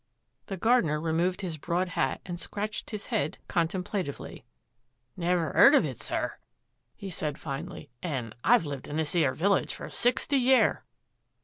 The gardener removed his broad hat and scratched his head contemplatively. " Never 'eard of it, sir," he said, finally, " an' I've lived in this 'ere village for sixty year."